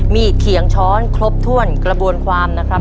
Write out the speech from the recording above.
เขียงช้อนครบถ้วนกระบวนความนะครับ